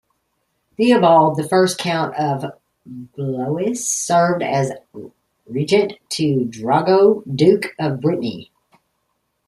Theobald the First, Count of Blois served as Regent to Drogo, Duke of Brittany.